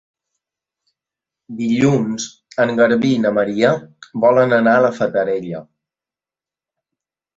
Dilluns en Garbí i na Maria volen anar a la Fatarella.